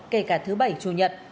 kể cả thứ bảy chủ nhật